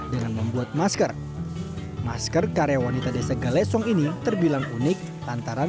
dengan membuat masker masker karya wanita desa galesong ini terbilang unik lantaran